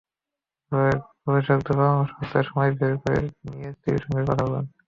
গবেষকেদের পরামর্শ হচ্ছে, সময় বের করে নিয়ে স্ত্রীর সঙ্গে কথা বলুন।